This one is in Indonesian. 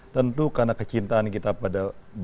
tentu karena kecintaan kita pada